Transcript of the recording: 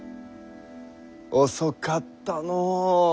遅かったの。